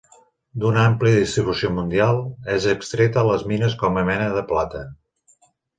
D'una àmplia distribució mundial, és extreta a les mines com a mena de plata.